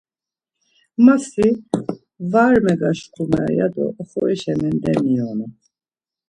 Ma si var megaşkumer ya do oxorişa mendomiyonu.